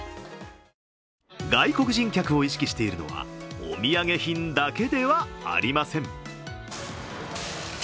外国人客を意識しているのはお土産品だけではありません。